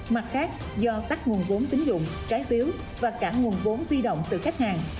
mặt khác do tắt nguồn vốn tính dụng trái phiếu và cả nguồn vốn vi động từ khách hàng